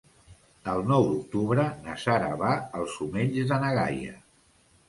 El nou d'octubre na Sara va als Omells de na Gaia.